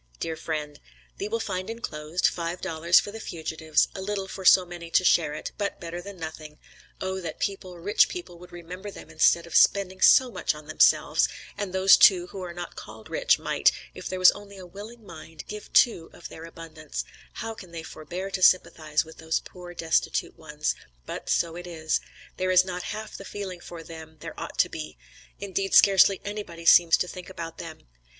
DEAR FRIEND: Thee will find enclosed, five dollars for the fugitives, a little for so many to share it, but better than nothing; oh, that people, rich people, would remember them instead of spending so much on themselves; and those too, who are not called rich, might, if there was only a willing mind, give too of their abundance; how can they forbear to sympathize with those poor destitute ones but so it is there is not half the feeling for them there ought to be, indeed scarcely anybody seems to think about them.